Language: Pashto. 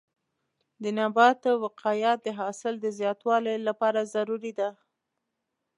د نباتو وقایه د حاصل د زیاتوالي لپاره ضروري ده.